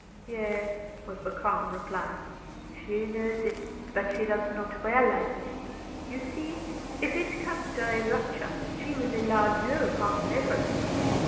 "Yes," was the calm reply, "she knows it, but she does not realize it. You see, if it comes to a rupture she will allow no half measures.